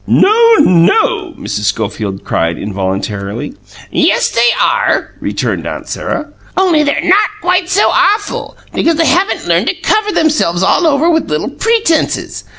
"No, no!" Mrs. Schofield cried, involuntarily. "Yes, they are," returned Aunt Sarah. "Only they're not quite so awful, because they haven't learned to cover themselves all over with little pretences.